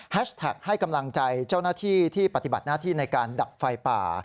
แท็กให้กำลังใจเจ้าหน้าที่ที่ปฏิบัติหน้าที่ในการดับไฟป่า